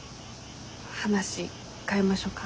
話変えましょか？